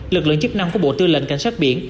lực lượng chức năng của bộ tư lệnh cảnh sát biển